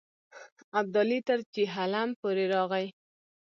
ابدالي تر جیهلم پورې راغی.